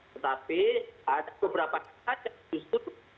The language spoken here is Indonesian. tetapi ada beberapa kata justru